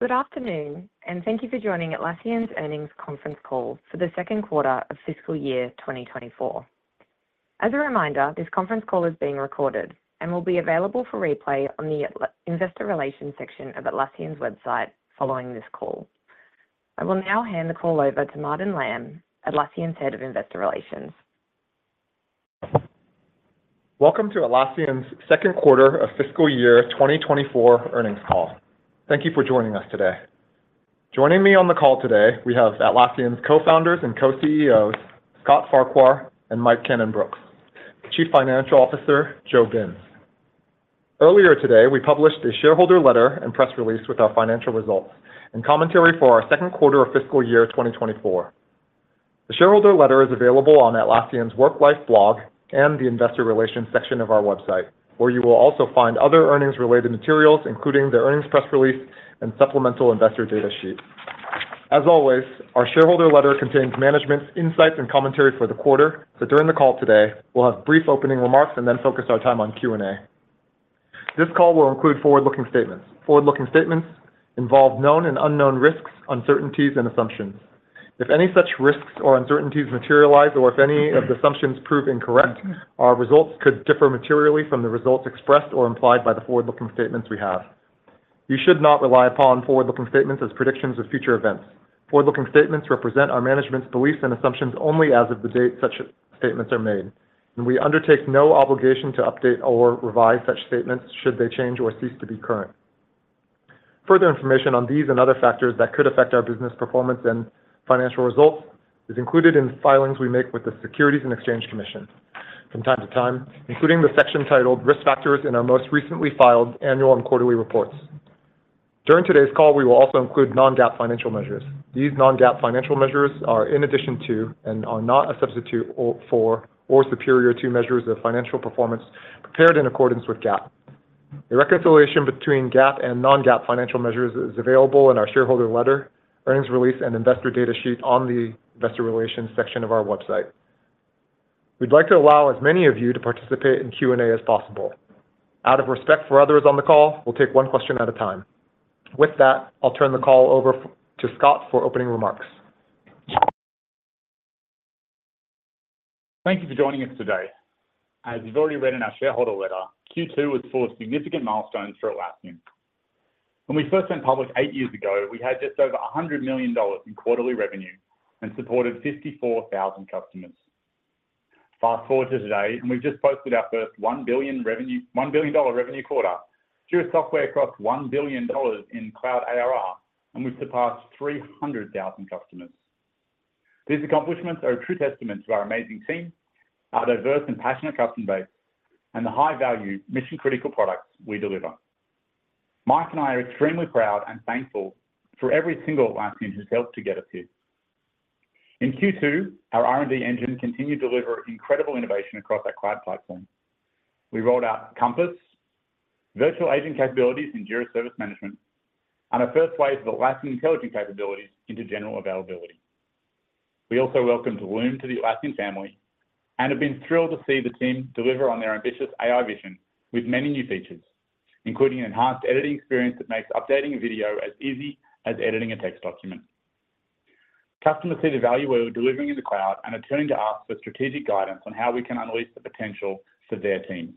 Good afternoon, and thank you for joining Atlassian's Earnings Conference Call for the Second Quarter of Fiscal Year 2024. As a reminder, this conference call is being recorded and will be available for replay on the Atlassian's Investor Relations section of Atlassian's website following this call. I will now hand the call over to Martin Lam, Atlassian's Head of Investor Relations. Welcome to Atlassian's Second Quarter of Fiscal Year 2024 Earnings Call. Thank you for joining us today. Joining me on the call today, we have Atlassian's co-founders and co-CEOs, Scott Farquhar and Mike Cannon-Brookes, Chief Financial Officer, Joe Binz. Earlier today, we published a shareholder letter and press release with our financial results and commentary for our second quarter of fiscal year 2024. The shareholder letter is available on Atlassian's Work Life blog and the Investor Relations section of our website, where you will also find other earnings-related materials, including the earnings press release and supplemental investor data sheet. As always, our shareholder letter contains management's insights and commentary for the quarter, but during the call today, we'll have brief opening remarks and then focus our time on Q&A. This call will include forward-looking statements. Forward-looking statements involve known and unknown risks, uncertainties, and assumptions. If any such risks or uncertainties materialize, or if any of the assumptions prove incorrect, our results could differ materially from the results expressed or implied by the forward-looking statements we have. You should not rely upon forward-looking statements as predictions of future events. Forward-looking statements represent our management's beliefs and assumptions only as of the date such statements are made, and we undertake no obligation to update or revise such statements should they change or cease to be current. Further information on these and other factors that could affect our business performance and financial results is included in the filings we make with the Securities and Exchange Commission from time to time, including the section titled Risk Factors in our most recently filed annual and quarterly reports. During today's call, we will also include non-GAAP financial measures. These non-GAAP financial measures are in addition to, and are not a substitute for, or superior to, measures of financial performance prepared in accordance with GAAP. A reconciliation between GAAP and non-GAAP financial measures is available in our shareholder letter, earnings release, and investor data sheet on the Investor Relations section of our website. We'd like to allow as many of you to participate in Q&A as possible. Out of respect for others on the call, we'll take one question at a time. With that, I'll turn the call over to Scott for opening remarks. Thank you for joining us today. As you've already read in our shareholder letter, Q2 was full of significant milestones for Atlassian. When we first went public eight years ago, we had just over $100 million in quarterly revenue and supported 54,000 customers. Fast-forward to today, and we've just posted our first $1 billion revenue quarter. Jira Software crossed $1 billion in Cloud ARR, and we've surpassed 300,000 customers. These accomplishments are a true testament to our amazing team, our diverse and passionate customer base, and the high-value mission-critical products we deliver. Mike and I are extremely proud and thankful for every single Atlassian who's helped to get us here. In Q2, our R&D engine continued to deliver incredible innovation across our Cloud platform. We rolled out Compass, virtual agent capabilities in Jira Service Management, and our first wave of Atlassian Intelligence capabilities into general availability. We also welcomed Loom to the Atlassian family and have been thrilled to see the team deliver on their ambitious AI vision with many new features, including an enhanced editing experience that makes updating a video as easy as editing a text document. Customers see the value we're delivering in the Cloud and are turning to us for strategic guidance on how we can unleash the potential for their teams.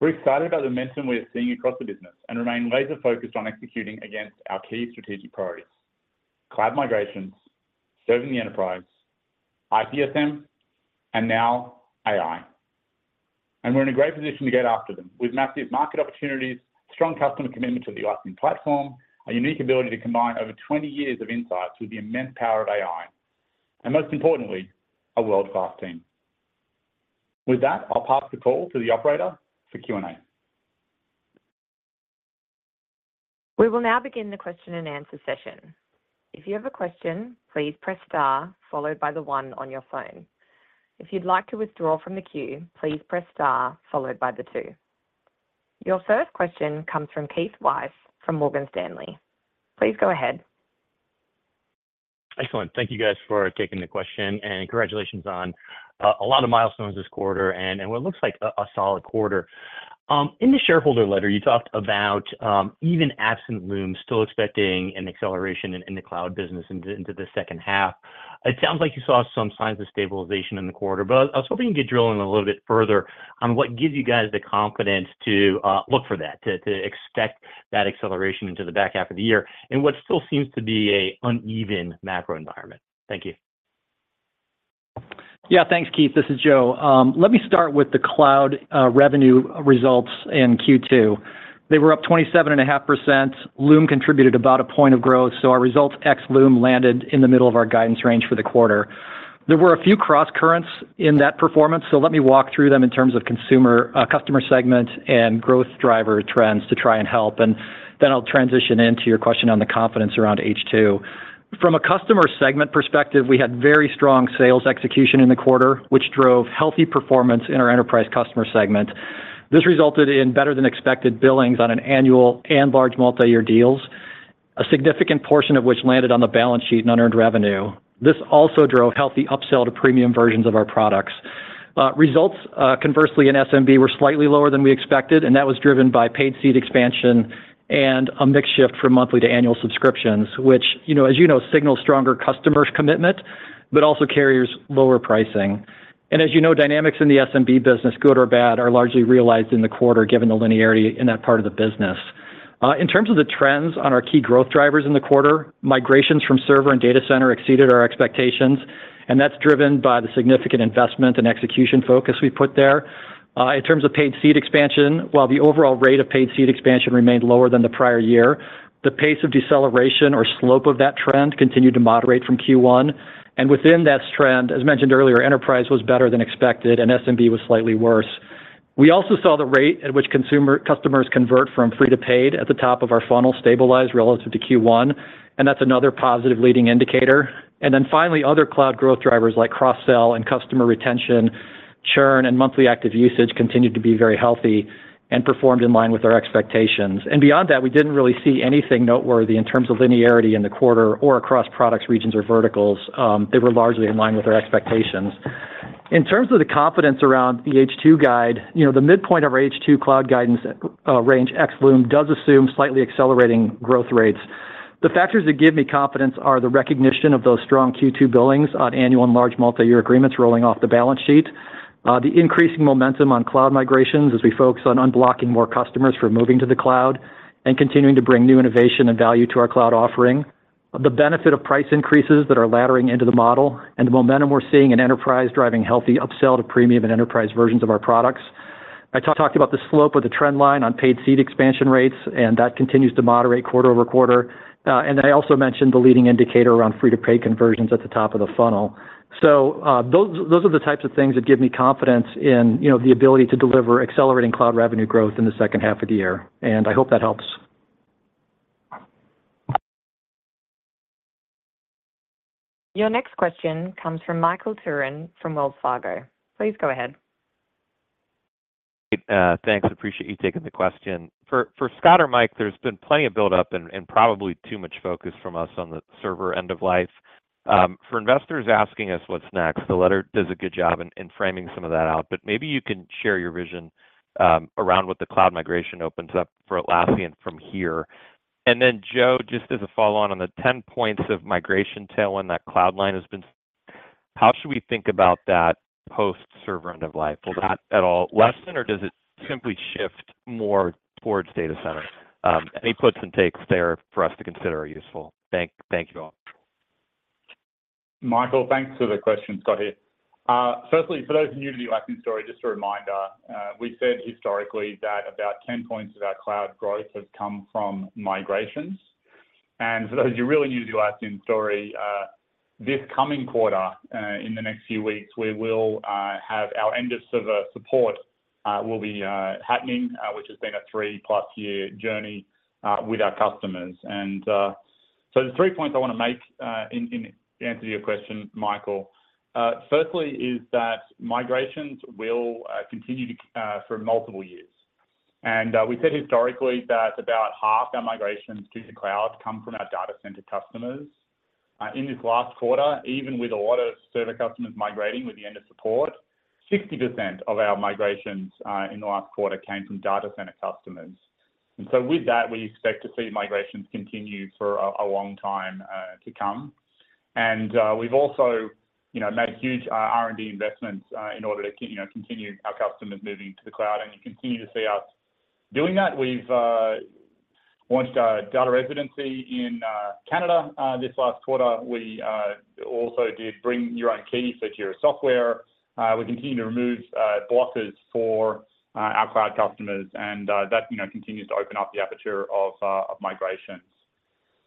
We're excited about the momentum we're seeing across the business and remain laser-focused on executing against our key strategic priorities: Cloud migrations, serving the Enterprise, ITSM, and now AI. We're in a great position to get after them with massive market opportunities, strong customer commitment to the Atlassian platform, a unique ability to combine over 20 years of insights with the immense power of AI, and most importantly, a world-class team. With that, I'll pass the call to the operator for Q&A. We will now begin the question-and-answer session. If you have a question, please press star followed by the one on your phone. If you'd like to withdraw from the queue, please press star followed by the two. Your first question comes from Keith Weiss from Morgan Stanley. Please go ahead. Excellent. Thank you, guys, for taking the question, and congratulations on a lot of milestones this quarter and what looks like a solid quarter. In the shareholder letter, you talked about even absent Loom, still expecting an acceleration in the Cloud business into the second half. It sounds like you saw some signs of stabilization in the quarter, but I was hoping you could drill in a little bit further on what gives you guys the confidence to look for that, to expect that acceleration into the back half of the year in what still seems to be a uneven macro environment. Thank you. Yeah, thanks, Keith. This is Joe. Let me start with the Cloud revenue results in Q2. They were up 27.5%. Loom contributed about a point of growth, so our results ex Loom landed in the middle of our guidance range for the quarter. There were a few crosscurrents in that performance, so let me walk through them in terms of consumer customer segment and growth driver trends to try and help, and then I'll transition into your question on the confidence around H2. From a customer segment perspective, we had very strong sales execution in the quarter, which drove healthy performance in our Enterprise customer segment. This resulted in better-than-expected billings on an annual and large multiyear deals.... A significant portion of which landed on the balance sheet in unearned revenue. This also drove healthy upsell to Premium Versions of our products. Results, conversely, in SMB were slightly lower than we expected, and that was driven by paid seat expansion and a mix shift from monthly to annual subscriptions, which, you know, as you know, signals stronger customer commitment, but also carries lower pricing. As you know, dynamics in the SMB business, good or bad, are largely realized in the quarter, given the linearity in that part of the business. In terms of the trends on our key growth drivers in the quarter, migrations from Server and Data Center exceeded our expectations, and that's driven by the significant investment and execution focus we put there. In terms of paid seat expansion, while the overall rate of paid seat expansion remained lower than the prior year, the pace of deceleration or slope of that trend continued to moderate from Q1. And within that trend, as mentioned earlier, Enterprise was better than expected and SMB was slightly worse. We also saw the rate at which consumer customers convert from free to paid at the top of our funnel stabilize relative to Q1, and that's another positive leading indicator. And then finally, other Cloud growth drivers like cross-sell and customer retention, churn, and monthly active usage, continued to be very healthy and performed in line with our expectations. And beyond that, we didn't really see anything noteworthy in terms of linearity in the quarter or across products, regions, or verticals. They were largely in line with our expectations. In terms of the confidence around the H2 guide, you know, the midpoint of our H2 Cloud guidance, range, ex-Loom, does assume slightly accelerating growth rates. The factors that give me confidence are the recognition of those strong Q2 billings on annual and large multi-year agreements rolling off the balance sheet, the increasing momentum on Cloud migrations as we focus on unblocking more customers from moving to the Cloud, and continuing to bring new innovation and value to our Cloud offering. The benefit of price increases that are laddering into the model and the momentum we're seeing in Enterprise, driving healthy upsell to Premium and Enterprise Versions of our products. I talked about the slope of the trend line on paid seat expansion rates, and that continues to moderate quarter-over-quarter. And then I also mentioned the leading indicator around free-to-paid conversions at the top of the funnel. So, those are the types of things that give me confidence in, you know, the ability to deliver accelerating Cloud revenue growth in the second half of the year, and I hope that helps. Your next question comes from Michael Turrin from Wells Fargo. Please go ahead. Thanks. I appreciate you taking the question. For Scott or Mike, there's been plenty of build-up and probably too much focus from us on the Server end of life. For investors asking us what's next, the letter does a good job in framing some of that out, but maybe you can share your vision around what the Cloud migration opens up for Atlassian from here. And then, Joe, just as a follow-on, on the ten points of migration tailwind that Cloud line has been, how should we think about that post-Server end of life? Will that at all lessen, or does it simply shift more towards Data Center? Any puts and takes there for us to consider are useful. Thank you all. Michael, thanks for the question. Scott here. Firstly, for those new to the Atlassian story, just a reminder, we've said historically that about 10 points of our Cloud growth have come from migrations. And for those of you really new to Atlassian story, this coming quarter, in the next few weeks, we will have our end of Server support will be happening, which has been a 3+ year journey with our customers. And so the three points I want to make in answer to your question, Michael, firstly, is that migrations will continue to for multiple years. And we said historically that about half our migrations to the Cloud come from our Data Center customers. In this last quarter, even with a lot of Server customers migrating with the end of support, 60% of our migrations in the last quarter came from Data Center customers. And so with that, we expect to see migrations continue for a long time to come. And we've also, you know, made huge R&D investments in order to, you know, continue our customers moving to the Cloud and you continue to see us doing that. We've launched a Data Residency in Canada this last quarter. We also did Bring Your Own Key, secure software. We continue to remove blockers for our Cloud customers, and that, you know, continues to open up the aperture of migrations.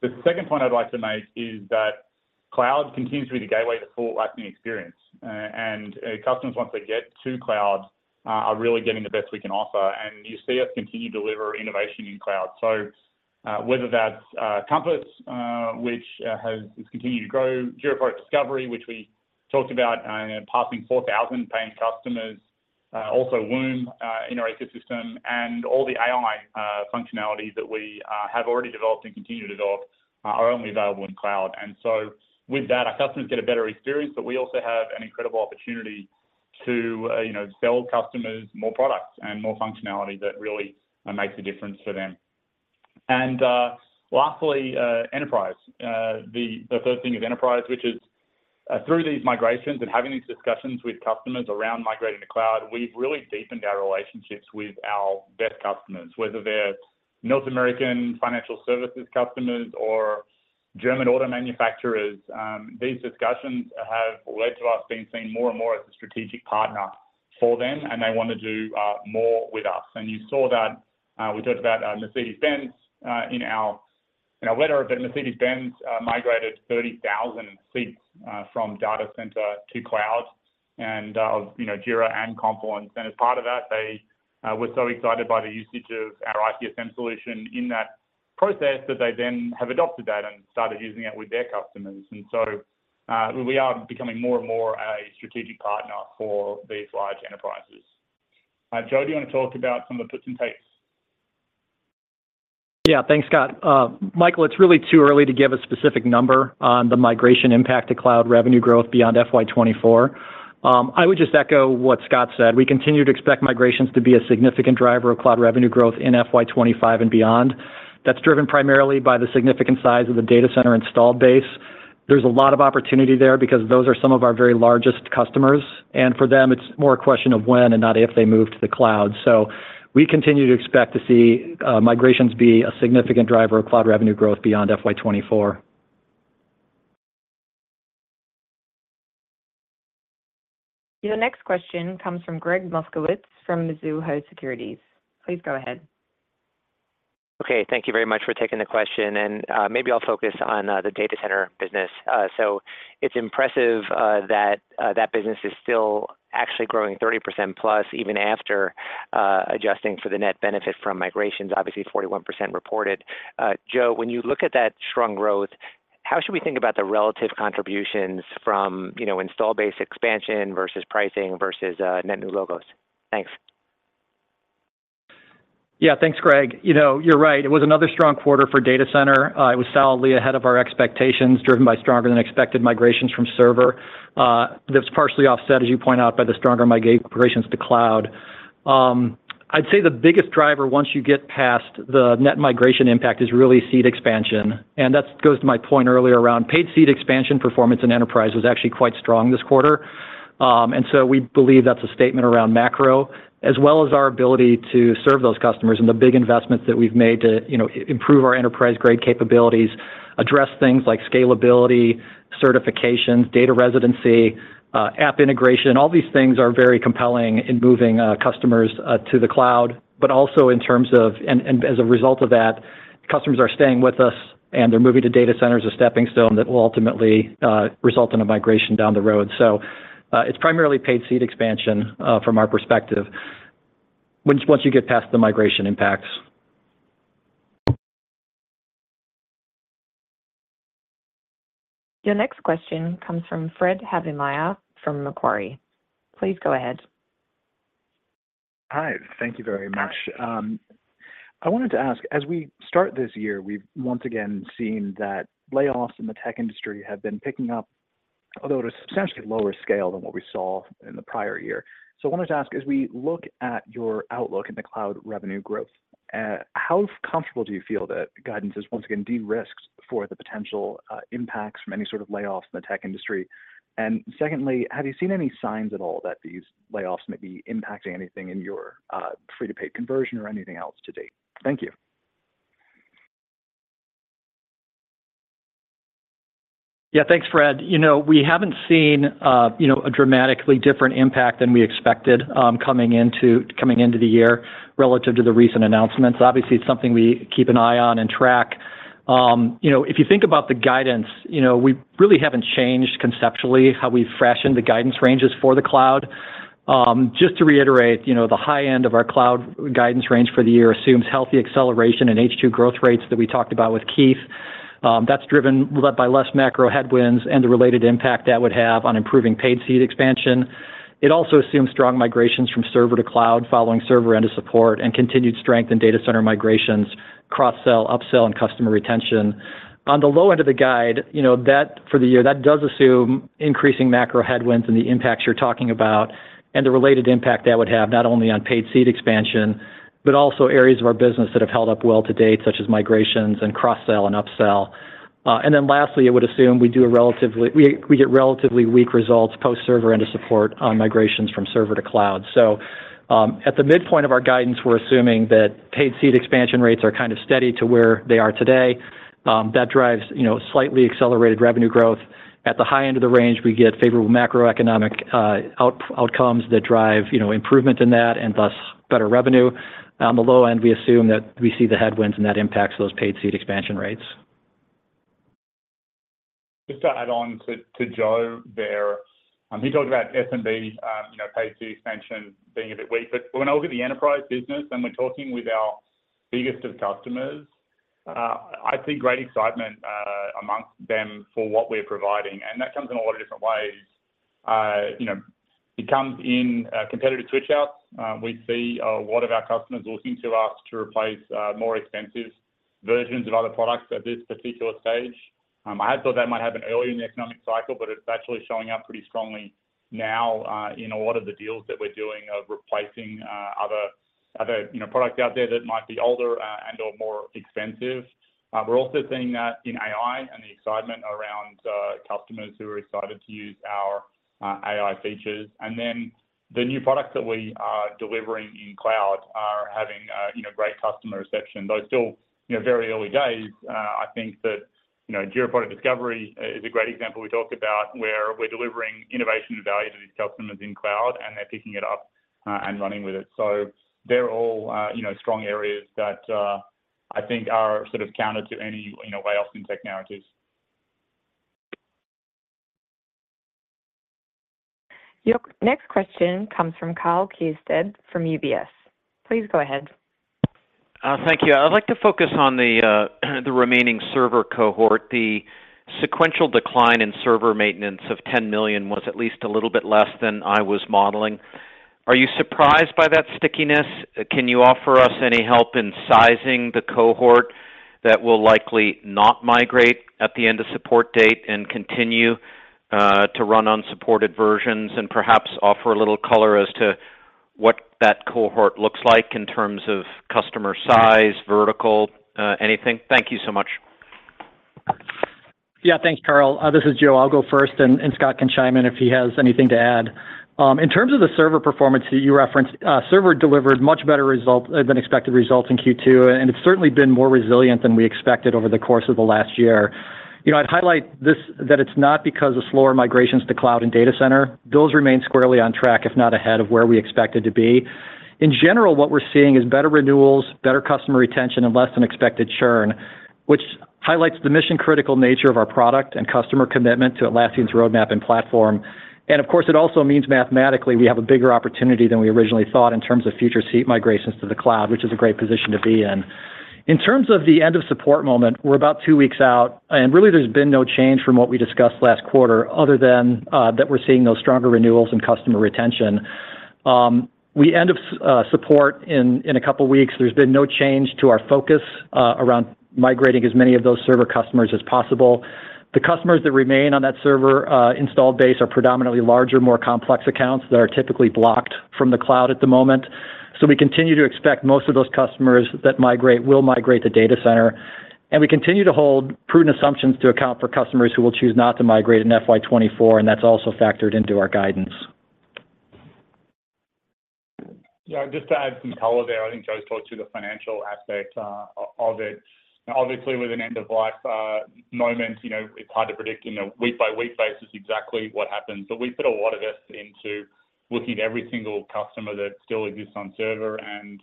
The second point I'd like to make is that Cloud continues to be the gateway to full Atlassian experience. And customers, once they get to Cloud, are really getting the best we can offer, and you see us continue to deliver innovation in Cloud. So whether that's Compass, which has continued to grow, Jira Product Discovery, which we talked about, passing 4,000 paying customers, also Loom in our ecosystem, and all the AI functionalities that we have already developed and continue to develop, are only available in Cloud. And so with that, our customers get a better experience, but we also have an incredible opportunity to, you know, sell customers more products and more functionality that really makes a difference for them. And lastly, Enterprise. The third thing is Enterprise, which is through these migrations and having these discussions with customers around migrating to Cloud, we've really deepened our relationships with our best customers. Whether they're North American financial services customers or German auto manufacturers, these discussions have led to us being seen more and more as a strategic partner for them, and they want to do more with us. And you saw that we talked about Mercedes-Benz in our letter, but Mercedes-Benz migrated 30,000 seats from Data Center to Cloud and you know, Jira and Confluence. And as part of that, they were so excited by the usage of our ITSM solution in that process, that they then have adopted that and started using it with their customers. We are becoming more and more a strategic partner for these large Enterprises. Joe, do you want to talk about some of the puts and takes? Yeah, thanks, Scott. Michael, it's really too early to give a specific number on the migration impact to Cloud revenue growth beyond FY 2024. I would just echo what Scott said. We continue to expect migrations to be a significant driver of Cloud revenue growth in FY 2025 and beyond. That's driven primarily by the significant size of the Data Center installed base. There's a lot of opportunity there because those are some of our very largest customers, and for them, it's more a question of when and not if they move to the Cloud. So we continue to expect to see migrations be a significant driver of Cloud revenue growth beyond FY 2024. Your next question comes from Gregg Moskowitz from Mizuho Securities. Please go ahead. Okay, thank you very much for taking the question, and, maybe I'll focus on, the Data Center business. So it's impressive, that, that business is still actually growing 30%+, even after, adjusting for the net benefit from migrations, obviously 41% reported. Joe, when you look at that strong growth, how should we think about the relative contributions from, you know, install base expansion versus pricing versus, net new logos? Thanks. Yeah, thanks, Gregg. You know, you're right. It was another strong quarter for Data Center. It was solidly ahead of our expectations, driven by stronger than expected migrations from Server. That's partially offset, as you point out, by the stronger migrations to Cloud. I'd say the biggest driver, once you get past the net migration impact, is really seat expansion, and that goes to my point earlier around paid seat expansion performance and Enterprise was actually quite strong this quarter. And so we believe that's a statement around macro, as well as our ability to serve those customers and the big investments that we've made to, you know, improve our Enterprise-grade capabilities, address things like scalability, certifications, data residency, app integration. All these things are very compelling in moving customers to the Cloud, but also in terms of... And as a result of that, customers are staying with us, and they're moving to Data Centers, a stepping stone that will ultimately result in a migration down the road. So, it's primarily paid seat expansion, from our perspective, once you get past the migration impacts. Your next question comes from Fred Havemeyer from Macquarie. Please go ahead. Hi. Thank you very much. I wanted to ask, as we start this year, we've once again seen that layoffs in the tech industry have been picking up, although at a substantially lower scale than what we saw in the prior year. I wanted to ask, as we look at your outlook in the Cloud revenue growth, how comfortable do you feel that guidance is once again, de-risked for the potential, impacts from any sort of layoffs in the tech industry? And secondly, have you seen any signs at all that these layoffs may be impacting anything in your, free-to-paid conversion or anything else to date? Thank you. Yeah, thanks, Fred. You know, we haven't seen, you know, a dramatically different impact than we expected, coming into the year relative to the recent announcements. Obviously, it's something we keep an eye on and track. You know, if you think about the guidance, you know, we really haven't changed conceptually how we've refreshed the guidance ranges for the Cloud. Just to reiterate, you know, the high end of our Cloud guidance range for the year assumes healthy acceleration and H2 growth rates that we talked about with Keith. That's driven by less macro headwinds and the related impact that would have on improving paid seat expansion. It also assumes strong migrations from Server to Cloud, following Server End of Support and continued strength in Data Center migrations, cross-sell, upsell, and customer retention. On the low end of the guide, you know, that for the year, that does assume increasing macro headwinds and the impacts you're talking about, and the related impact that would have, not only on paid seat expansion, but also areas of our business that have held up well to date, such as migrations and cross-sell and upsell. And then lastly, it would assume we get relatively weak results post-Server end of support on migrations from Server to Cloud. So, at the midpoint of our guidance, we're assuming that paid seat expansion rates are kind of steady to where they are today. That drives, you know, slightly accelerated revenue growth. At the high end of the range, we get favorable macroeconomic outcomes that drive, you know, improvement in that and thus better revenue. On the low end, we assume that we see the headwinds, and that impacts those paid seat expansion rates. Just to add on to Joe there, he talked about SMB, you know, paid seat expansion being a bit weak, but when I look at the Enterprise business and we're talking with our biggest of customers, I see great excitement amongst them for what we're providing, and that comes in a lot of different ways. You know, it comes in competitive switch outs. We see a lot of our customers looking to us to replace more expensive versions of other products at this particular stage. I had thought that might happen earlier in the economic cycle, but it's actually showing up pretty strongly now in a lot of the deals that we're doing of replacing other, you know, products out there that might be older and/or more expensive. We're also seeing that in AI and the excitement around customers who are excited to use our AI features. And then the new products that we are delivering in Cloud are having, you know, great customer reception. Though still, you know, very early days, I think that, you know, Jira Product Discovery is a great example we talked about, where we're delivering innovation and value to these customers in Cloud, and they're picking it up and running with it. So they're all, you know, strong areas that I think are sort of counter to any, you know, layoffs in tech narratives. Your next question comes from Karl Keirstead from UBS. Please go ahead.... Thank you. I'd like to focus on the remaining Server cohort. The sequential decline in Server maintenance of $10 million was at least a little bit less than I was modeling. Are you surprised by that stickiness? Can you offer us any help in sizing the cohort that will likely not migrate at the end of support date and continue to run unsupported versions? And perhaps offer a little color as to what that cohort looks like in terms of customer size, vertical, anything. Thank you so much. Yeah, thanks, Karl. This is Joe. I'll go first, and Scott can chime in if he has anything to add. In terms of the Server performance that you referenced, Server delivered much better result than expected results in Q2, and it's certainly been more resilient than we expected over the course of the last year. You know, I'd highlight this, that it's not because of slower migrations to Cloud and Data Center. Those remain squarely on track, if not ahead of where we expected to be. In general, what we're seeing is better renewals, better customer retention, and less than expected churn, which highlights the mission-critical nature of our product and customer commitment to Atlassian's roadmap and platform. Of course, it also means mathematically, we have a bigger opportunity than we originally thought in terms of future seat migrations to the Cloud, which is a great position to be in. In terms of the end-of-support moment, we're about two weeks out, and really, there's been no change from what we discussed last quarter, other than that we're seeing those stronger renewals and customer retention. End of support in a couple of weeks, there's been no change to our focus around migrating as many of those Server customers as possible. The customers that remain on that Server installed base are predominantly larger, more complex accounts that are typically blocked from the Cloud at the moment. So we continue to expect most of those customers that migrate will migrate to Data Center, and we continue to hold prudent assumptions to account for customers who will choose not to migrate in FY 2024, and that's also factored into our guidance. Yeah, just to add some color there, I think Joe's talked to the financial aspect of it. Obviously, with an end-of-life moment, you know, it's hard to predict, you know, week by week basis exactly what happens. But we've put a lot of effort into looking at every single customer that still exists on Server and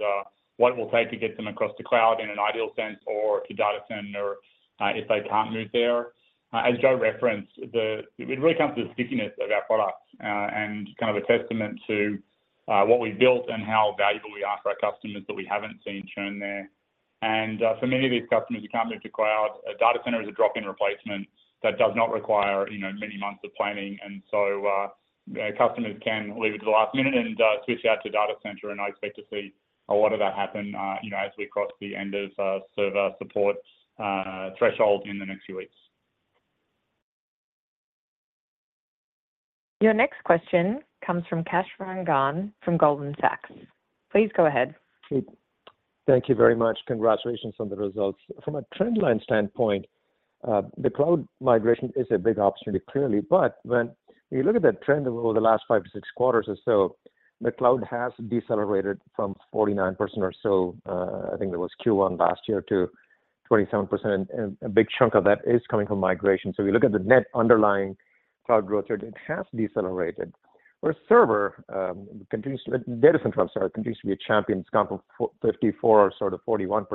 what it will take to get them across to Cloud in an ideal sense, or to Data Center, if they can't move there. As Joe referenced, it really comes to the stickiness of our products and kind of a testament to what we've built and how valuable we are for our customers that we haven't seen churn there. For many of these customers who can't move to Cloud, a Data Center is a drop-in replacement that does not require, you know, many months of planning. So, customers can leave it to the last minute and switch out to Data Center, and I expect to see a lot of that happen, you know, as we cross the end of Server support threshold in the next few weeks. Your next question comes from Kash Rangan from Goldman Sachs. Please go ahead. Thank you very much. Congratulations on the results. From a trend line standpoint, the Cloud migration is a big opportunity, clearly, but when you look at the trend over the last five to six quarters or so, the Cloud has decelerated from 49% or so, I think that was Q1 last year, to 27%, and a big chunk of that is coming from migration. So if you look at the net underlying Cloud growth rate, it has decelerated. Where Server continues to... Data Center, I'm sorry, continues to be a champion, it's gone from 54% or sort of 41%.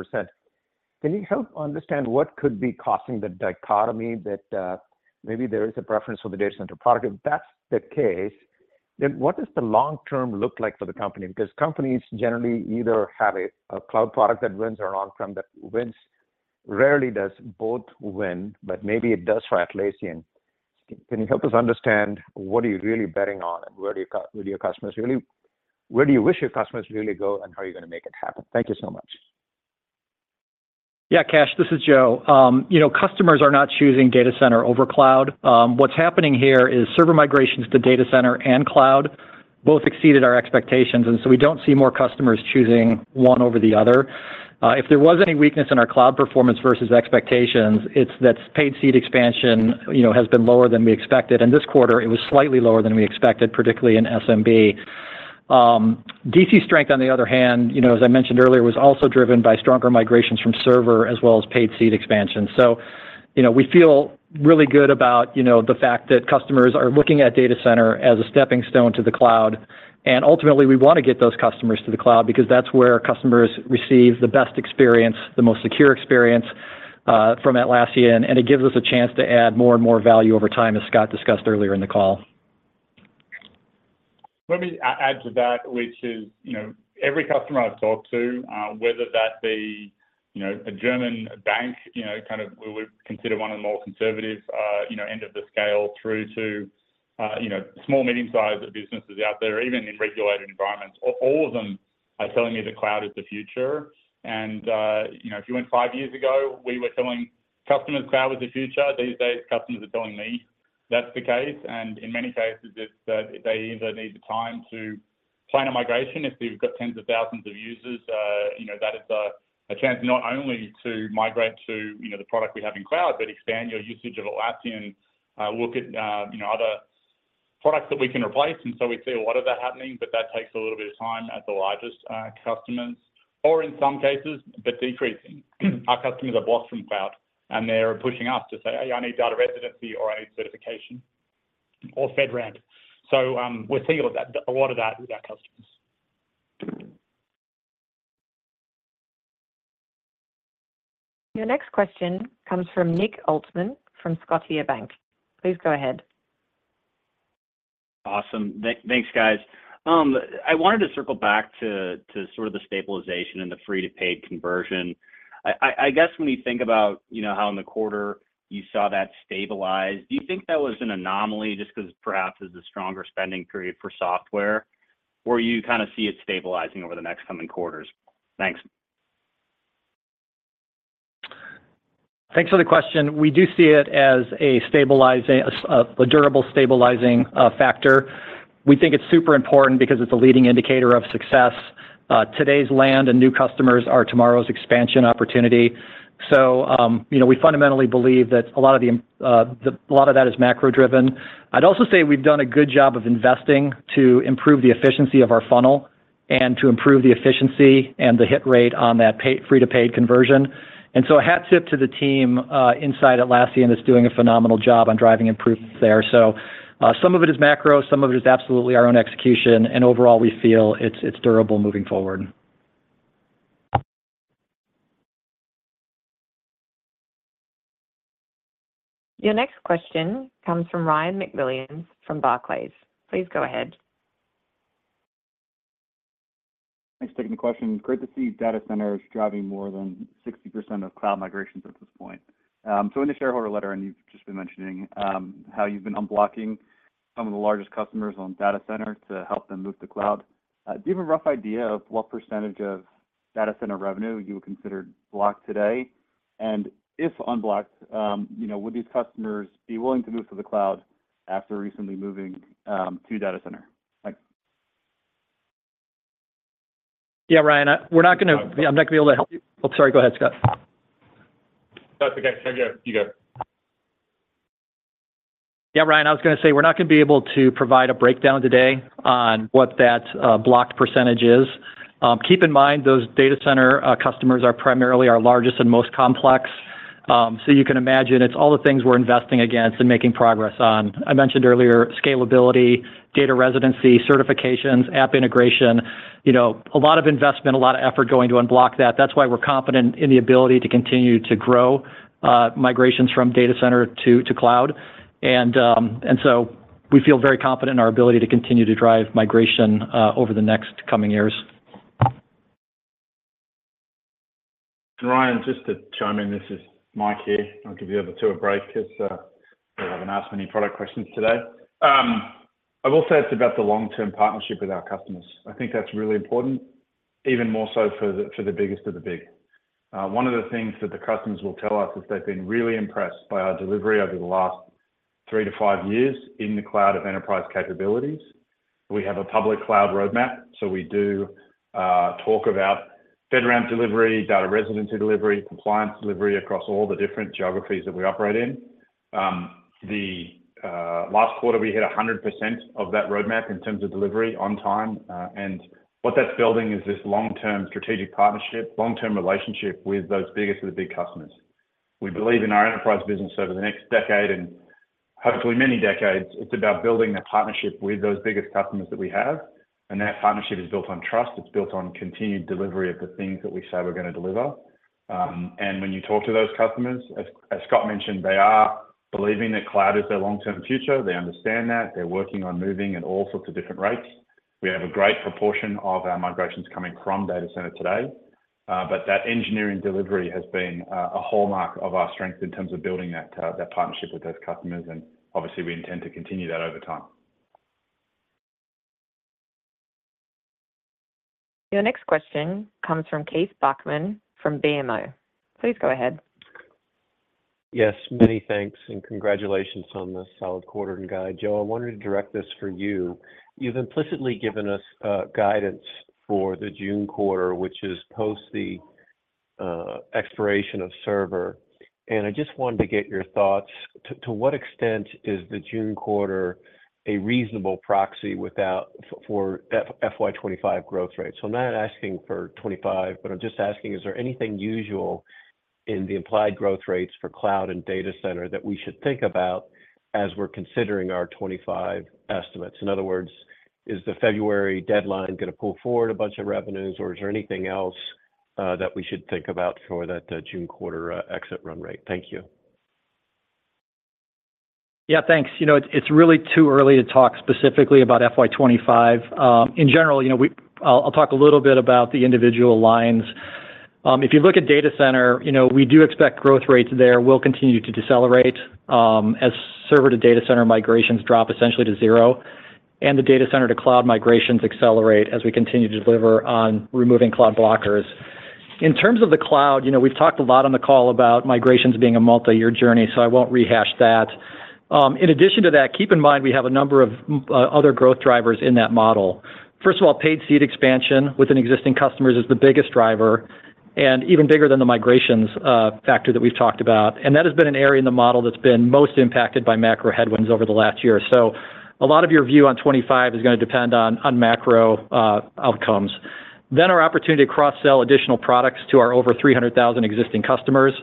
Can you help understand what could be causing the dichotomy, that maybe there is a preference for the Data Center product? If that's the case, then what does the long term look like for the company? Because companies generally either have a Cloud product that wins or an on-prem that wins. Rarely does both win, but maybe it does for Atlassian. Can you help us understand what are you really betting on, and where do you wish your customers really go, and how are you going to make it happen? Thank you so much. Yeah, Kash, this is Joe. You know, customers are not choosing Data Center over Cloud. What's happening here is Server migrations to Data Center and Cloud both exceeded our expectations, and so we don't see more customers choosing one over the other. If there was any weakness in our Cloud performance versus expectations, it's that paid seat expansion, you know, has been lower than we expected, and this quarter, it was slightly lower than we expected, particularly in SMB. DC strength, on the other hand, you know, as I mentioned earlier, was also driven by stronger migrations from Server as well as paid seat expansion. So, you know, we feel really good about, you know, the fact that customers are looking at Data Center as a stepping stone to the Cloud. Ultimately, we want to get those customers to the Cloud because that's where customers receive the best experience, the most secure experience, from Atlassian, and it gives us a chance to add more and more value over time, as Scott discussed earlier in the call. Let me add to that, which is, you know, every customer I've talked to, whether that be, you know, a German bank, you know, kind of, we would consider one of the more conservative, end of the scale through to, you know, small, medium-sized businesses out there, even in regulated environments, all, all of them are telling me the Cloud is the future. And, you know, if you went five years ago, we were telling customers Cloud was the future. These days, customers are telling me that's the case, and in many cases, it's that they either need the time to plan a migration. If they've got tens of thousands of users, you know, that is a chance not only to migrate to, you know, the product we have in Cloud, but expand your usage of Atlassian, you know, look at, you know, other products that we can replace. We see a lot of that happening, but that takes a little bit of time at the largest customers, or in some cases, but decreasing. Our customers are bought from Cloud, and they're pushing us to say, "Hey, I need data residency, or I need certification or FedRAMP." We're seeing a lot of that, a lot of that with our customers. Your next question comes from Nick Altmann from Scotiabank. Please go ahead.... Awesome. Thanks, guys. I wanted to circle back to sort of the stabilization and the free-to-paid conversion. I guess when you think about, you know, how in the quarter you saw that stabilize, do you think that was an anomaly just because perhaps it's a stronger spending period for software, or you kind of see it stabilizing over the next coming quarters? Thanks. Thanks for the question. We do see it as a stabilizing, a durable stabilizing factor. We think it's super important because it's a leading indicator of success. Today's land and new customers are tomorrow's expansion opportunity. So, you know, we fundamentally believe that a lot of the, a lot of that is macro-driven. I'd also say we've done a good job of investing to improve the efficiency of our funnel and to improve the efficiency and the hit rate on that free-to-paid conversion. And so a hat tip to the team inside Atlassian that's doing a phenomenal job on driving improvements there. So, some of it is macro, some of it is absolutely our own execution, and overall, we feel it's durable moving forward. Your next question comes from Ryan MacWilliams from Barclays. Please go ahead. Thanks for taking the question. Great to see Data Centers driving more than 60% of Cloud migrations at this point. So in the shareholder letter, and you've just been mentioning, how you've been unblocking some of the largest customers on Data Center to help them move to Cloud, do you have a rough idea of what percentage of Data Center revenue you would consider blocked today? And if unblocked, you know, would these customers be willing to move to the Cloud after recently moving to Data Center? Thanks. Yeah, Ryan, we're not gonna- I'm not gonna be able to help you. Oh, sorry, go ahead, Scott. That's okay. No, you go. Yeah, Ryan, I was gonna say, we're not gonna be able to provide a breakdown today on what that blocked percentage is. Keep in mind, those Data Center customers are primarily our largest and most complex. So you can imagine it's all the things we're investing against and making progress on. I mentioned earlier, scalability, Data Residency, certifications, app integration, you know, a lot of investment, a lot of effort going to unblock that. That's why we're confident in the ability to continue to grow migrations from Data Center to Cloud. And so we feel very confident in our ability to continue to drive migration over the next coming years. Ryan, just to chime in, this is Mike here. I'll give you the other two a break because they haven't asked many product questions today. I will say it's about the long-term partnership with our customers. I think that's really important, even more so for the, for the biggest of the big. One of the things that the customers will tell us is they've been really impressed by our delivery over the last 3-5 years in the Cloud of Enterprise capabilities. We have a public Cloud roadmap, so we do talk about FedRAMP delivery, data residency delivery, compliance delivery across all the different geographies that we operate in. The last quarter, we hit 100% of that roadmap in terms of delivery on time, and what that's building is this long-term strategic partnership, long-term relationship with those biggest of the big customers. We believe in our Enterprise business over the next decade, and hopefully many decades. It's about building that partnership with those biggest customers that we have, and that partnership is built on trust. It's built on continued delivery of the things that we say we're gonna deliver. And when you talk to those customers, as Scott mentioned, they are believing that Cloud is their long-term future. They understand that. They're working on moving at all sorts of different rates. We have a great proportion of our migrations coming from Data Center today, but that engineering delivery has been a hallmark of our strength in terms of building that partnership with those customers, and obviously, we intend to continue that over time. Your next question comes from Keith Bachman from BMO. Please go ahead. Yes, many thanks, and congratulations on the solid quarter and guide. Joe, I wanted to direct this for you. You've implicitly given us, guidance for the June quarter, which is post the, expiration of Server, and I just wanted to get your thoughts. To what extent is the June quarter a reasonable proxy without for FY 2025 growth rate? So I'm not asking for 2025, but I'm just asking, is there anything usual in the implied growth rates for Cloud and Data Center that we should think about as we're considering our 2025 estimates? In other words, is the February deadline gonna pull forward a bunch of revenues, or is there anything else, that we should think about for that, June quarter, exit run rate? Thank you. Yeah, thanks. You know, it's really too early to talk specifically about FY 2025. In general, you know, we'll talk a little bit about the individual lines. If you look at Data Center, you know, we do expect growth rates there will continue to decelerate, as Server-to-Data Center migrations drop essentially to zero, and the Data Center to Cloud migrations accelerate as we continue to deliver on removing Cloud blockers. In terms of the Cloud, you know, we've talked a lot on the call about migrations being a multi-year journey, so I won't rehash that. In addition to that, keep in mind, we have a number of other growth drivers in that model. First of all, paid seat expansion within existing customers is the biggest driver, and even bigger than the migrations factor that we've talked about, and that has been an area in the model that's been most impacted by macro headwinds over the last year. So a lot of your view on 2025 is gonna depend on macro outcomes. Then our opportunity to cross-sell additional products to our over 300,000 existing customers.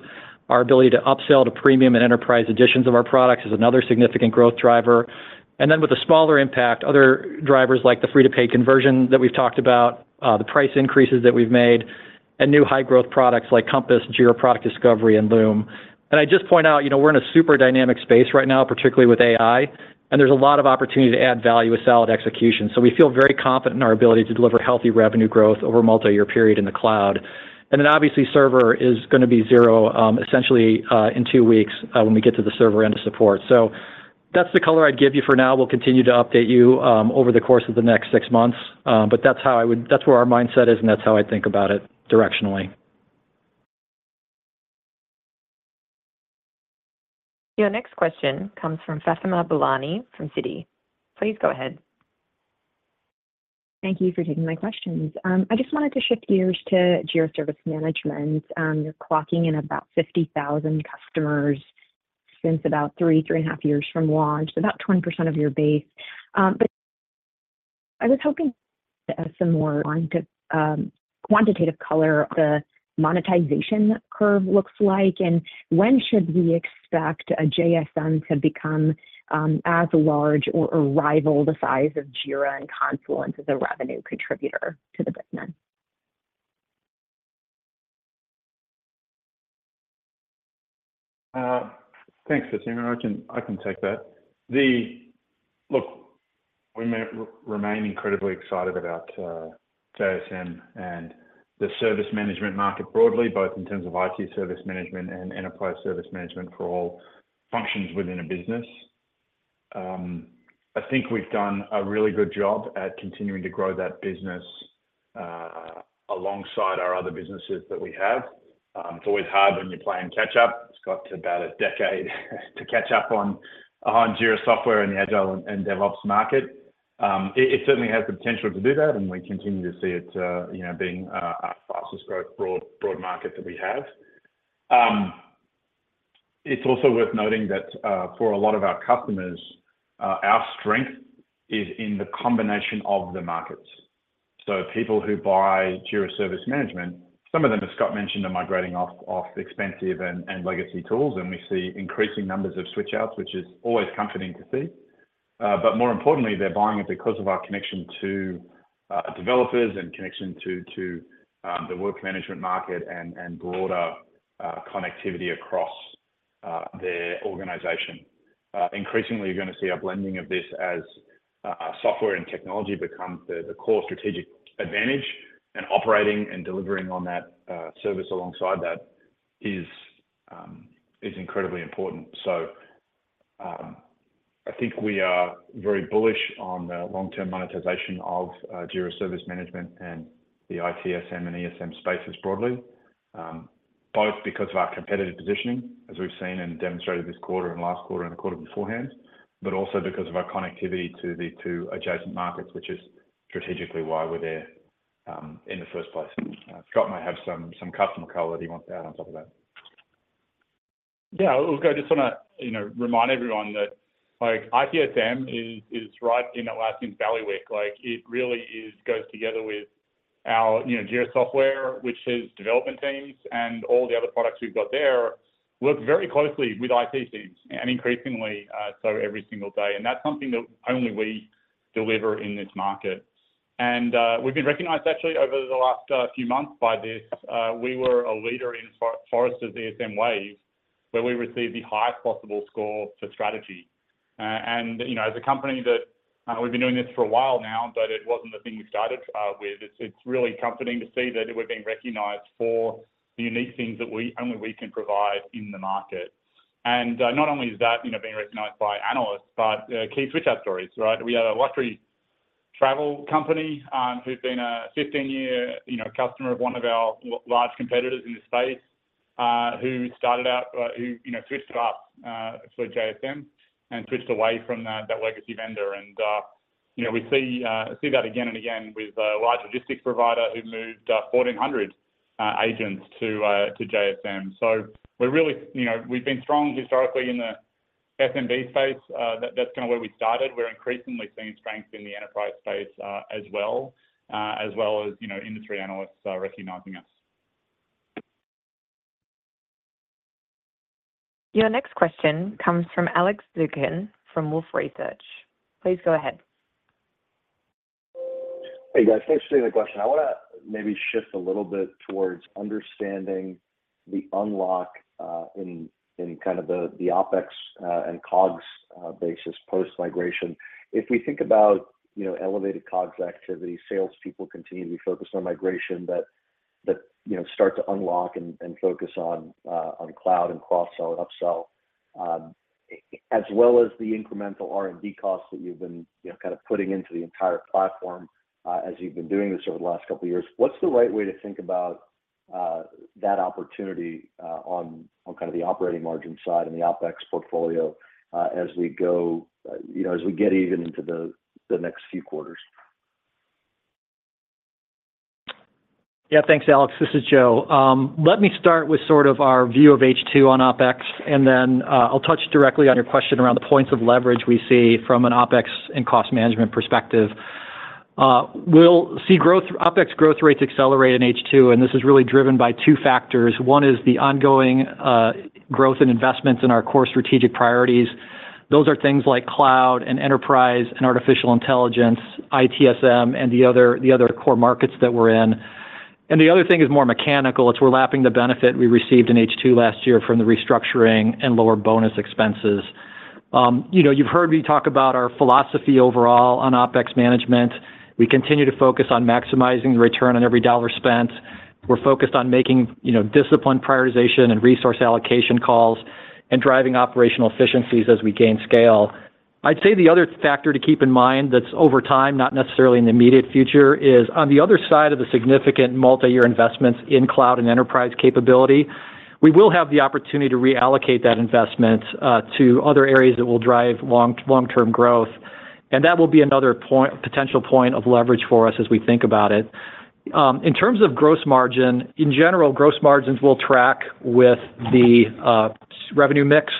Our ability to upsell to Premium and Enterprise Editions of our products is another significant growth driver. And then with a smaller impact, other drivers like the free-to-paid conversion that we've talked about, the price increases that we've made, and new high-growth products like Compass, Jira Product Discovery, and Loom. I just point out, you know, we're in a super dynamic space right now, particularly with AI, and there's a lot of opportunity to add value with solid execution. So we feel very confident in our ability to deliver healthy revenue growth over a multi-year period in the Cloud. And then, obviously, Server is going to be zero, essentially, in two weeks, when we get to the Server End of Support. So that's the color I'd give you for now. We'll continue to update you over the course of the next six months. But that's how I would-- That's where our mindset is, and that's how I think about it directionally. Your next question comes from Fatima Boolani from Citi. Please go ahead. Thank you for taking my questions. I just wanted to shift gears to Jira Service Management. You're clocking in about 50,000 customers since about three, three and a half years from launch, about 20% of your base. But I was hoping to add some more line to quantitative color, the monetization curve looks like, and when should we expect a JSM to become as large or rival the size of Jira and Confluence as a revenue contributor to the business? Thanks, Fatima. I can, I can take that. Look, we remain incredibly excited about JSM and the service management market broadly, both in terms of IT service management and Enterprise service management for all functions within a business. I think we've done a really good job at continuing to grow that business alongside our other businesses that we have. It's always hard when you're playing catch-up. It's got to about a decade to catch up on, on Jira Software and the Agile and DevOps market. It certainly has the potential to do that, and we continue to see it, you know, being our, our fastest growth, broad, broad market that we have. It's also worth noting that, for a lot of our customers, our strength is in the combination of the markets. So people who buy Jira Service Management, some of them, as Scott mentioned, are migrating off expensive and legacy tools, and we see increasing numbers of switch outs, which is always comforting to see. But more importantly, they're buying it because of our connection to developers and connection to the work management market and broader connectivity across their organization. Increasingly, you're going to see a blending of this as software and technology become the core strategic advantage, and operating and delivering on that service alongside that is incredibly important. I think we are very bullish on the long-term monetization of Jira Service Management and the ITSM and ESM spaces broadly, both because of our competitive positioning, as we've seen and demonstrated this quarter and last quarter and the quarter beforehand, but also because of our connectivity to the two adjacent markets, which is strategically why we're there, in the first place. Scott might have some customer color that he wants to add on top of that. Yeah, look, I just want to, you know, remind everyone that, like, ITSM is right in Atlassian's bailiwick. Like, it really is, goes together with our, you know, Jira Software, which is development teams, and all the other products we've got there work very closely with IT teams, and increasingly so every single day. And that's something that only we deliver in this market. And we've been recognized, actually, over the last few months by this. We were a leader in Forrester's ESM Wave, where we received the highest possible score for strategy. And, you know, as a company that we've been doing this for a while now, but it wasn't the thing we started with. It's really comforting to see that we're being recognized for the unique things that only we can provide in the market. And, not only is that, you know, being recognized by analysts, but, key switch out stories, right? We had a luxury travel company, who'd been a 15-year, you know, customer of one of our large competitors in the space, who, you know, switched to us for JSM and switched away from that, that legacy vendor. And, you know, we see that again and again with a large logistics provider who moved 1,400 agents to JSM. So we're really, you know, we've been strong historically in the SMB space. That's kind of where we started. We're increasingly seeing strength in the Enterprise space, as well, as well as, you know, industry analysts recognizing us. Your next question comes from Alex Zukin from Wolfe Research. Please go ahead. Hey, guys. Thanks for taking the question. I want to maybe shift a little bit towards understanding the unlock in kind of the OpEx and COGS basis post-migration. If we think about, you know, elevated COGS activity, salespeople continue to be focused on migration that start to unlock and focus on Cloud and cross-sell, upsell, as well as the incremental R&D costs that you've been, you know, kind of putting into the entire platform, as you've been doing this over the last couple of years. What's the right way to think about that opportunity on kind of the operating margin side and the OpEx portfolio, as we go, you know, as we get even into the next few quarters? Yeah. Thanks, Alex. This is Joe. Let me start with sort of our view of H2 on OpEx, and then, I'll touch directly on your question around the points of leverage we see from an OpEx and cost management perspective. We'll see growth, OpEx growth rates accelerate in H2, and this is really driven by two factors. One is the ongoing growth and investments in our core strategic priorities. Those are things like Cloud and Enterprise and artificial intelligence, ITSM, and the other core markets that we're in. And the other thing is more mechanical. It's we're lapping the benefit we received in H2 last year from the restructuring and lower bonus expenses. You know, you've heard me talk about our philosophy overall on OpEx management. We continue to focus on maximizing the return on every dollar spent. We're focused on making, you know, disciplined prioritization and resource allocation calls and driving operational efficiencies as we gain scale. I'd say the other factor to keep in mind, that's over time, not necessarily in the immediate future, is on the other side of the significant multi-year investments in Cloud and Enterprise capability, we will have the opportunity to reallocate that investment to other areas that will drive long, long-term growth, and that will be another point--potential point of leverage for us as we think about it. In terms of gross margin, in general, gross margins will track with the revenue mix.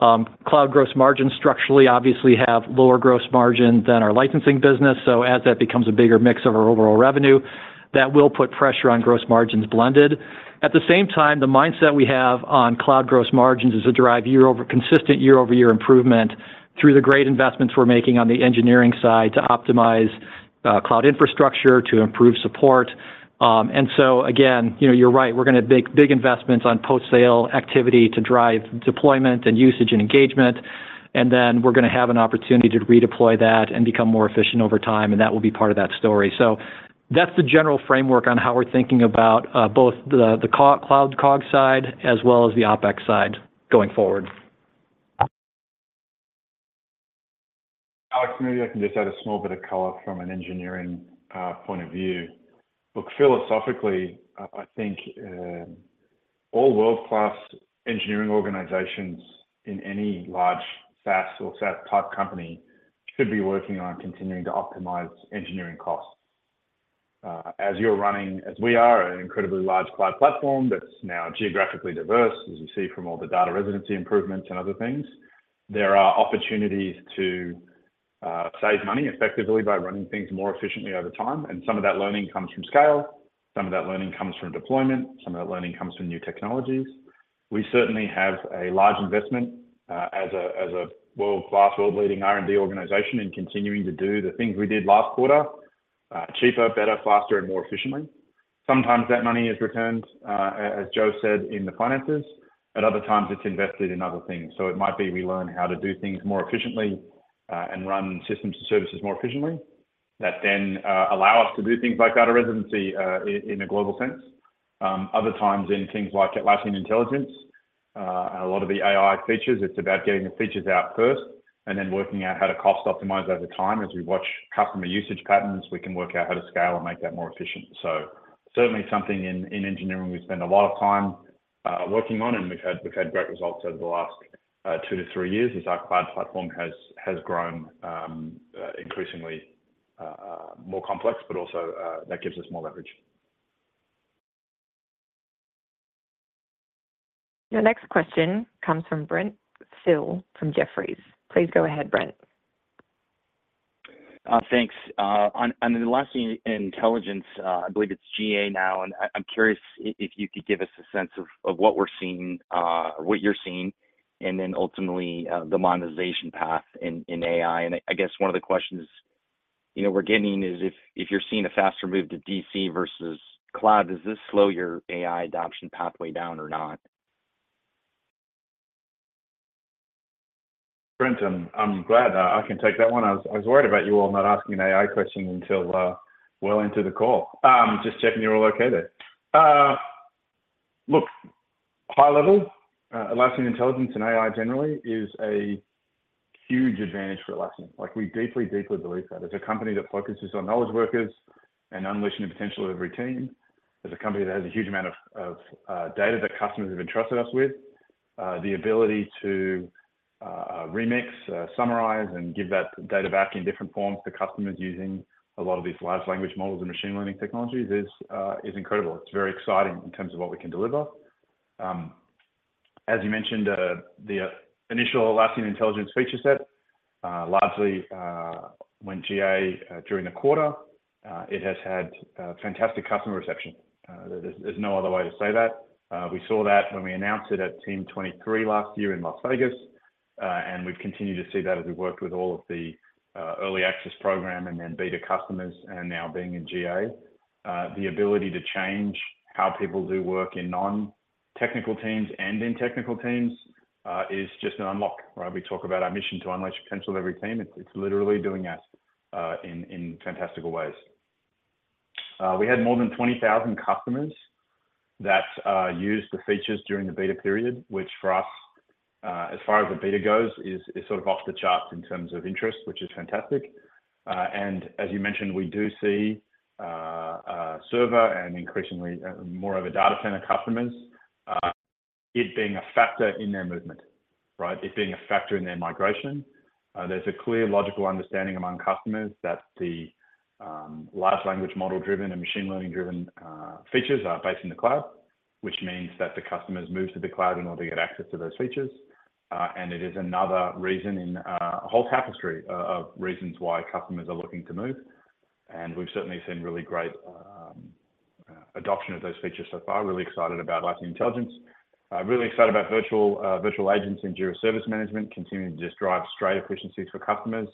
Cloud gross margins structurally, obviously have lower gross margin than our licensing business. So as that becomes a bigger mix of our overall revenue, that will put pressure on gross margins blended. At the same time, the mindset we have on Cloud gross margins is to drive consistent year-over-year improvement through the great investments we're making on the engineering side to optimize Cloud infrastructure, to improve support. And so again, you know, you're right, we're gonna make big investments on post-sale activity to drive deployment and usage and engagement, and then we're gonna have an opportunity to redeploy that and become more efficient over time, and that will be part of that story. So that's the general framework on how we're thinking about both the Cloud COGS side as well as the OpEx side going forward. Alex, maybe I can just add a small bit of color from an engineering point of view. Look, philosophically, I think all world-class engineering organizations in any large SaaS or SaaS-type company should be working on continuing to optimize engineering costs. As you're running, as we are, an incredibly large Cloud platform that's now geographically diverse, as you see from all the data residency improvements and other things, there are opportunities to save money effectively by running things more efficiently over time, and some of that learning comes from scale, some of that learning comes from deployment, some of that learning comes from new technologies. We certainly have a large investment as a world-class, world-leading R&D organization in continuing to do the things we did last quarter cheaper, better, faster, and more efficiently. Sometimes that money is returned, as Joe said in the finances, at other times, it's invested in other things. So it might be we learn how to do things more efficiently, and run systems and services more efficiently, that then allow us to do things like data residency, in a global sense. Other times in things like Atlassian Intelligence, and a lot of the AI features, it's about getting the features out first and then working out how to cost optimize over time. As we watch customer usage patterns, we can work out how to scale and make that more efficient. So certainly something in engineering we spend a lot of time working on, and we've had great results over the last two to three years as our Cloud platform has grown increasingly more complex, but also that gives us more leverage. Your next question comes from Brent Thill from Jefferies. Please go ahead, Brent. Thanks. On the Atlassian Intelligence, I believe it's GA now, and I'm curious if you could give us a sense of what we're seeing, what you're seeing, and then ultimately the monetization path in AI. And I guess one of the questions, you know, we're getting is if you're seeing a faster move to DC versus Cloud, does this slow your AI adoption pathway down or not? Brent, I'm glad I can take that one. I was worried about you all not asking an AI question until well into the call. Just checking you're all okay there. Look, high level, Atlassian Intelligence and AI, generally, is a huge advantage for Atlassian. Like, we deeply, deeply believe that. As a company that focuses on knowledge workers and unleashing the potential of every team, as a company that has a huge amount of data that customers have entrusted us with, the ability to remix, summarize, and give that data back in different forms to customers using a lot of these large language models and machine learning technologies is incredible. It's very exciting in terms of what we can deliver. As you mentioned, the initial Atlassian Intelligence feature set largely went GA during the quarter. It has had fantastic customer reception. There's no other way to say that. We saw that when we announced it at Team 2023 last year in Las Vegas and we've continued to see that as we worked with all of the early access program and then beta customers and now being in GA. The ability to change how people do work in non-technical teams and in technical teams is just an unlock, right? We talk about our mission to unleash potential of every team. It's literally doing that in fantastical ways. We had more than 20,000 customers that used the features during the beta period, which for us, as far as the beta goes, is sort of off the charts in terms of interest, which is fantastic. And as you mentioned, we do see Server and increasingly more of a Data Center customers it being a factor in their movement, right? It being a factor in their migration. There's a clear logical understanding among customers that the large language model-driven and machine learning-driven features are based in the Cloud, which means that the customers move to the Cloud in order to get access to those features. And it is another reason in a whole tapestry of reasons why customers are looking to move, and we've certainly seen really great adoption of those features so far. Really excited about Atlassian Intelligence. Really excited about virtual agents in Jira Service Management, continuing to just drive straight efficiencies for customers,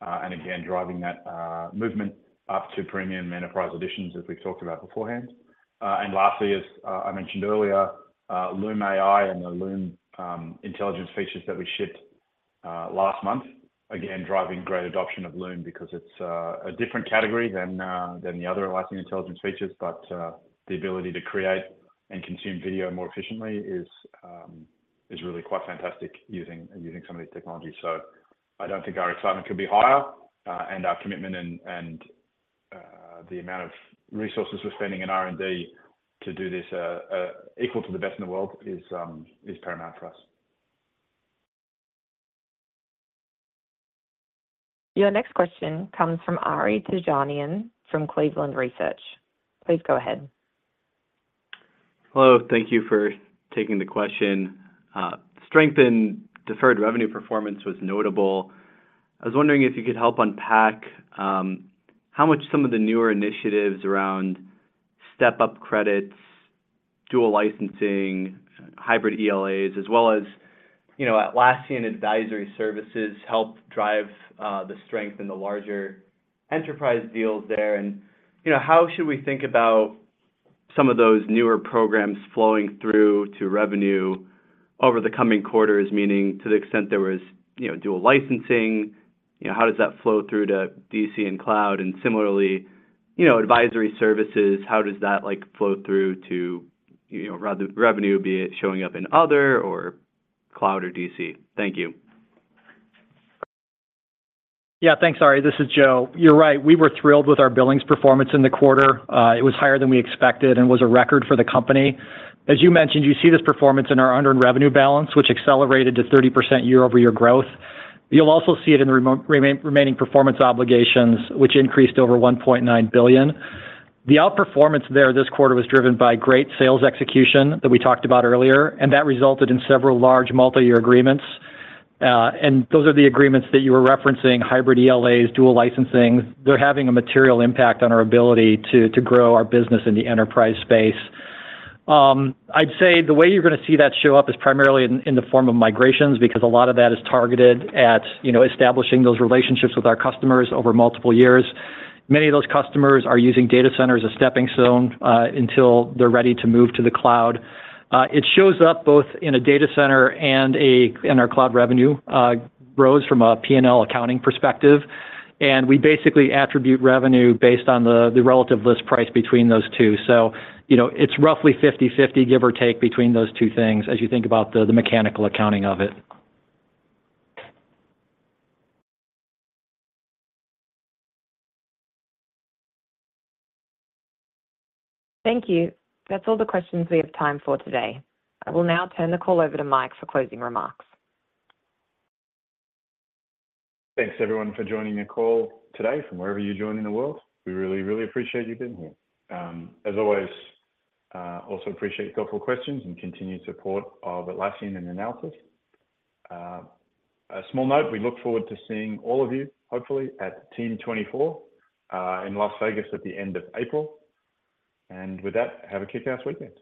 and again, driving that movement up to Premium and Enterprise editions, as we've talked about beforehand. And lastly, as I mentioned earlier, Loom AI and the Loom intelligence features that we shipped last month, again, driving great adoption of Loom because it's a different category than the other Atlassian Intelligence features. But the ability to create and consume video more efficiently is really quite fantastic using some of these technologies. So I don't think our excitement could be higher, and our commitment and the amount of resources we're spending in R&D to do this equal to the best in the world is paramount for us. Your next question comes from Ari Terjanian from Cleveland Research. Please go ahead. Hello, thank you for taking the question. Strength in deferred revenue performance was notable. I was wondering if you could help unpack how much some of the newer initiatives around Step-Up Credits, dual licensing, hybrid ELAs, as well as, you know, Atlassian Advisory Services, help drive the strength in the larger Enterprise deals there. And, you know, how should we think about some of those newer programs flowing through to revenue over the coming quarters? Meaning to the extent there was, you know, dual licensing, you know, how does that flow through to DC and Cloud, and similarly, you know, advisory services, how does that, like, flow through to, you know, re-revenue, be it showing up in other or Cloud or DC? Thank you. Yeah. Thanks, Ari. This is Joe. You're right, we were thrilled with our billings performance in the quarter. It was higher than we expected and was a record for the company. As you mentioned, you see this performance in our unearned revenue balance, which accelerated to 30% year-over-year growth. You'll also see it in the remaining performance obligations, which increased over $1.9 billion. The outperformance there this quarter was driven by great sales execution that we talked about earlier, and that resulted in several large multi-year agreements. And those are the agreements that you were referencing, hybrid ELAs, dual licensing. They're having a material impact on our ability to grow our business in the Enterprise space. I'd say the way you're gonna see that show up is primarily in the form of migrations, because a lot of that is targeted at, you know, establishing those relationships with our customers over multiple years. Many of those customers are using Data Center as a stepping stone until they're ready to move to the Cloud. It shows up both in a Data Center and in our Cloud revenue grows from a P&L accounting perspective, and we basically attribute revenue based on the relative list price between those two. So, you know, it's roughly 50/50, give or take, between those two things as you think about the mechanical accounting of it. Thank you. That's all the questions we have time for today. I will now turn the call over to Mike for closing remarks. Thanks, everyone, for joining the call today from wherever you join in the world. We really, really appreciate you being here. As always, also appreciate thoughtful questions and continued support of Atlassian and analysts. A small note, we look forward to seeing all of you, hopefully, at Team 2024 in Las Vegas at the end of April. And with that, have a kick-ass weekend.